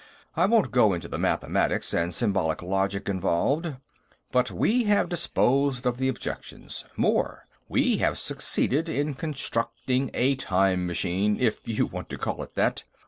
I won't go into the mathematics and symbolic logic involved, but we have disposed of the objections; more, we have succeeded in constructing a time machine, if you want to call it that.